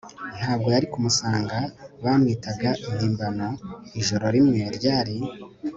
ntabwo yari kumusanga. bamwitaga impimbano. ijoro rimwe; ryari